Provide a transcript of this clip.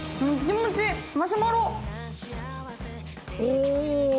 お！